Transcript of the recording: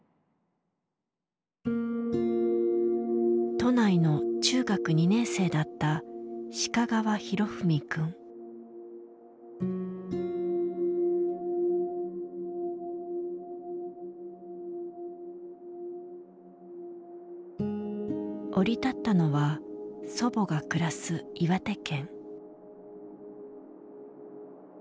都内の中学２年生だった降り立ったのは祖母が暮らす岩手県。